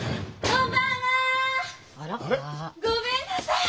あら？ごめんなさい！